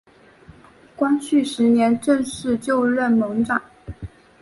光绪十年正式就任盟长。